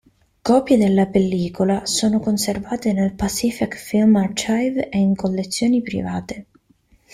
Copie della pellicola sono conservate nel Pacific Film Archive e in collezioni private.